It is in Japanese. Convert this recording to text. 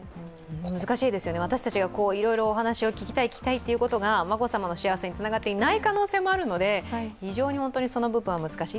難しいですよね、私たちがお話を聞きたいっていうことが眞子さまの幸せにつながっていない可能性もあるので非常にその部分は難しい。